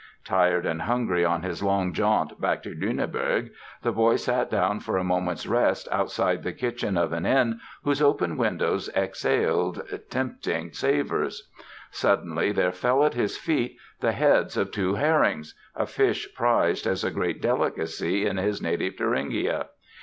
Tired and hungry on his long jaunt back to Lüneburg, the boy sat down for a moment's rest outside the kitchen of an inn whose open windows exhaled tempting savors. Suddenly there fell at his feet the heads of two herrings, a fish prized as a great delicacy in his native Thuringia.